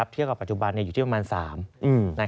เทียบกับปัจจุบันอยู่ที่ประมาณ๓